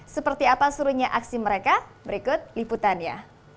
seperti apa serunya aksi mereka berikut liputannya